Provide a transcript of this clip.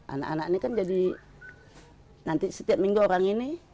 anak anak ini kan jadi nanti setiap minggu orang ini